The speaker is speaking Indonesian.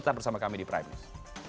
tetap bersama kami di prime news